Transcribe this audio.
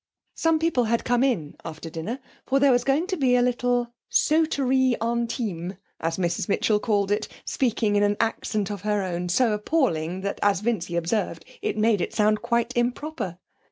Some people had come in after dinner for there was going to be a little sauterie intime, as Mrs Mitchell called it, speaking in an accent of her own, so appalling that, as Vincy observed, it made it sound quite improper.